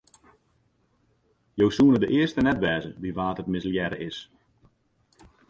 Jo soene de earste net wêze by wa't it mislearre is.